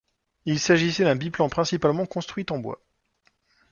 Il s'agissait d'un biplan principalement construit en bois.